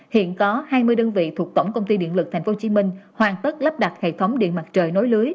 hiện có hai mươi đơn vị thuộc tổng công ty điện lực tp hcm hoàn tất lắp đặt hệ thống điện mặt trời nối lưới